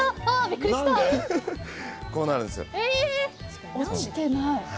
こうなるんです。